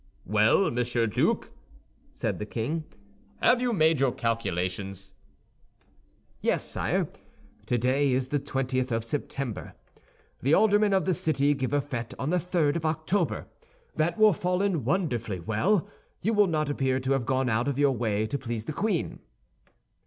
"Well, Monsieur Duke," said the king, "have you made your calculations?" "Yes, sire. Today is the twentieth of September. The aldermen of the city give a fête on the third of October. That will fall in wonderfully well; you will not appear to have gone out of your way to please the queen."